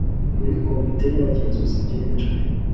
muri Komite y Abagenzuzi byemejwe